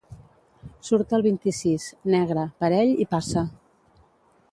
Surt el vint-i-sis, negre, parell i passa.